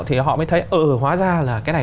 thì họ mới thấy ở hóa ra là cái này